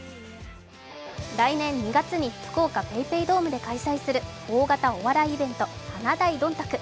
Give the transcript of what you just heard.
来年２月に福岡ＰａｙＰａｙドームで開催する、大型お笑いイベント、華大どんたく。